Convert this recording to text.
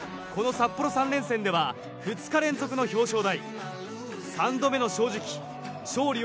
この札幌３連戦では、２日連続の表彰台。